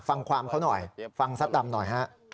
ฟังความเขาหน่อยฟังซัดดำหน่อยฮะ